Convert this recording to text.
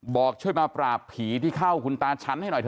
บอกช่วยมาปราบผีที่เข้าคุณตาชั้นให้หน่อยเ